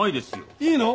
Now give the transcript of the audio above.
いいの？